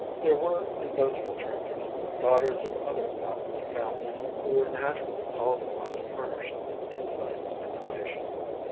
There were, in both fraternities, daughters of other faculty families, who were naturally called upon to furnish inside information.